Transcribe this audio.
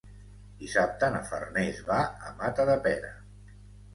Dissabte na Farners va a Matadepera.